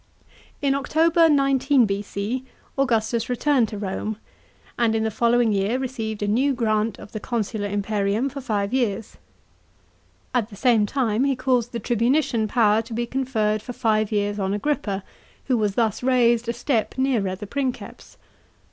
In October 19 B.C. Augustus returned to Rome, and in the following year received a new grant of the proconsular imperium for five years. At the same time he caused the tribunician power to be conferred for five years on Agrippa, who was thus raised a step nearer the Princeps.